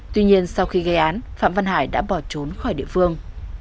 tuy nhiên sau khi gây án phạm văn hải đã bỏ trốn khỏi địa phương